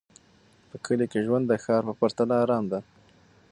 په کلي کې ژوند د ښار په پرتله ارام دی.